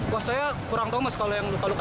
wah saya kurang tahu mas kalau yang luka luka